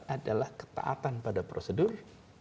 adalah ketaatan pada prosedur